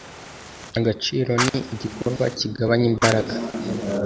Agaciro ni igikorwa kigabanya imbaraga